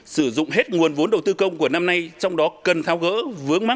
sử dụng hết nguồn vốn đầu tư công của năm nay trong đó cần tháo gỡ vướng mắt